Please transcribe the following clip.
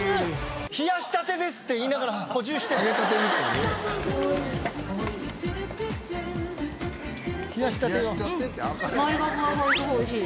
冷やしたてですって言いながかわいい。